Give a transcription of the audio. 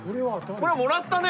これもらったね。